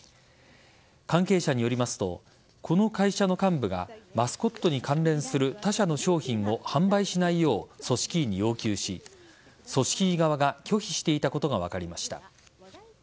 関係者によりますとこの会社の幹部がマスコットに関連する他社の商品を販売しないよう組織委に要求し組織委側が拒否していたことが分かりました。